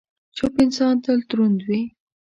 چپ انسان، تل دروند وي.